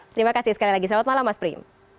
terima kasih sekali lagi selamat malam mas prim